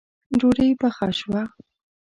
ډوډۍ پخه شوه